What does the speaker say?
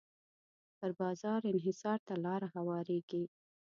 پر بازار انحصار ته لاره هواریږي.